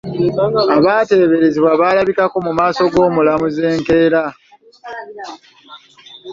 Abateeberezebwa balabikako mu maaso g'omulamuzi enkeera.